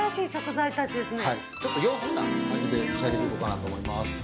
ちょっと洋風な感じで仕上げていこうかなと思います。